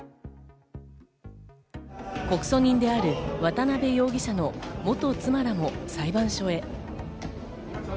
告訴人である渡辺容疑者の元妻らも裁判所へ。